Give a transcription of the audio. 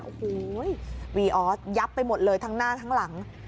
โอ้โหวีออสยับไปหมดเลยทั้งหน้าทั้งหลัง